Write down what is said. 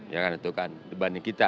ya kan itu kan dibanding kita